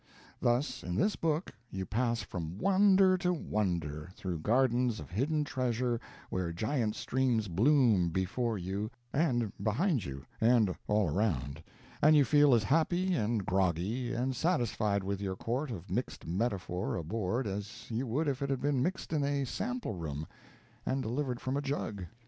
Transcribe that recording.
Thus, in this book, you pass from wonder to wonder, through gardens of hidden treasure, where giant streams bloom before you, and behind you, and all around, and you feel as happy, and groggy, and satisfied with your quart of mixed metaphor aboard as you would if it had been mixed in a sample room and delivered from a jug.